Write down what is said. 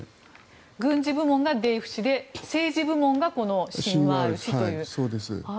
軍事部門がデイフ氏で政治部門がシンワール氏という。